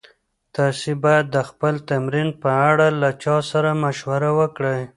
تاسي باید د خپل تمرین په اړه له چا سره مشوره وکړئ.